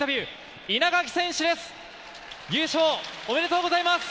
おめでとうございます。